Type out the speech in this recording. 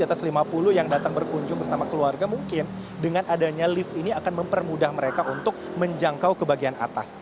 di atas lima puluh yang datang berkunjung bersama keluarga mungkin dengan adanya lift ini akan mempermudah mereka untuk menjangkau ke bagian atas